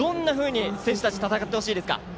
選手たちに戦ってほしいですか。